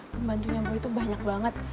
pembantunya gue tuh banyak banget